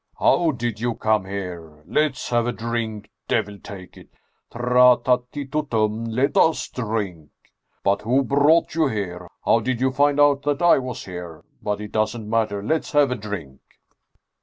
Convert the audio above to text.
" How did you come here ? Let's have a drink, devil take it ! Tra ta ti to tum let us drink ! But who brought you here ? How did you find out that I was here ? But it doesn't matter ! Let's have a drink